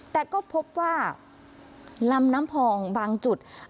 แต่ก็พบว่าลำน้ำพองบางจุด